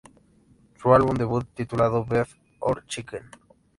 Su álbum debut titulado "Beef or Chicken?